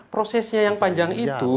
prosesnya yang panjang itu